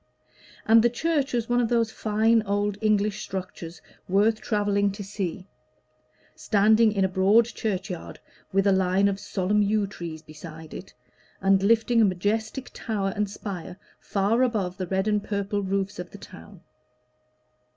And the church was one of those fine old English structures worth travelling to see, standing in a broad churchyard with a line of solemn yew trees beside it, and lifting a majestic tower and spire far above the red and purple roofs of the town.